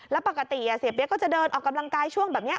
แล้วปกติเสียเปี๊ยกก็จะเดินออกกำลังกายช่วงแบบนี้